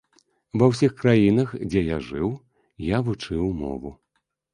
Ва ўсіх краінах, дзе я жыў, я вучыў мову.